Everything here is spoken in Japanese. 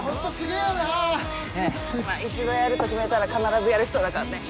一度やると決めたら必ずやる人だからね。